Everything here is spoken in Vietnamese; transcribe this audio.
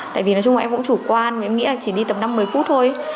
tại vì nói chung là em cũng chủ quan em nghĩ là chỉ đi tầm năm mươi phút thôi